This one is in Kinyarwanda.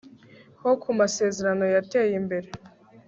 ho kumasezerano yateye imbere